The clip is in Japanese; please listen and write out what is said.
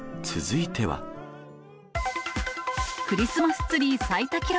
クリスマスツリー最多記録。